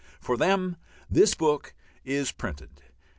For them this book is printed.